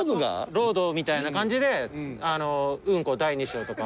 『ロード』みたいな感じで「うんこ第二章」とか。